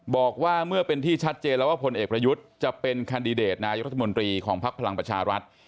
บอกว่าเมื่อเป็นที่ชัดเจนแล้วว่าพลเอกประยุทธ์จะเป็นแคนดิเดตนายกรัฐมนตรีของภักดิ์พลังประชารัฐ